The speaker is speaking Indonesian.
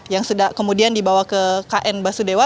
yang sudah kemudian dibawa ke kn basudewa